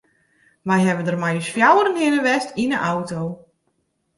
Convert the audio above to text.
We hawwe dêr mei ús fjouweren hinne west yn de auto.